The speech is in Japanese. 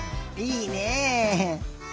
いいねえ。